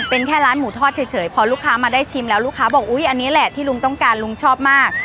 เป็นแค่ร้านหมูทอดเฉยพอลูกค้ามาได้ชิมแล้วลูกค้าบอกอุ๊ยอันนี้แหละที่ลุงต้องการลุงชอบมาก